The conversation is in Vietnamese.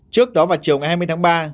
trước đó vào chiều ngày hai mươi tháng ba